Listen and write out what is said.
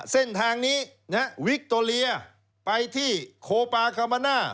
เส้นทางนี้วิคโตเรียไปที่โคปากามาน่า